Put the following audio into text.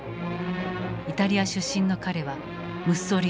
イタリア出身の彼はムッソリーニを嫌い